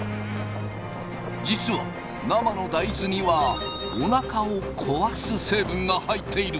実は生の大豆にはおなかを壊す成分が入っている。